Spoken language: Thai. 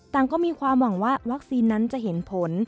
ก็มีความหวังว่าวัคซีนนั้นจะเห็นผล